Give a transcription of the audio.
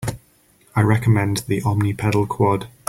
I recommend the Omni pedal Quad.